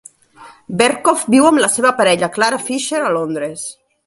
Berkoff viu amb la seva parella, Clara Fisher, a Londres.